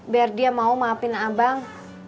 biar dia mau maafin abang